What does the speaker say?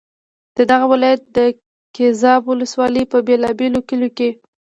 د دغه ولایت د ګیزاب ولسوالۍ په بېلا بېلو کلیو کې.